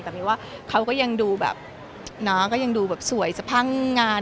แต่มีว่าเขาก็ยังดูแบบน้าก็ยังดูแบบสวยสะพังงาน